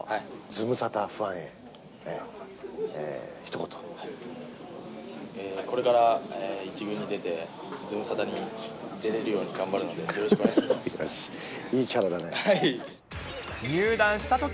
ズムサタファンへ、これから１軍に出て、ズムサタに出れるように頑張るので、よろしくお願いします。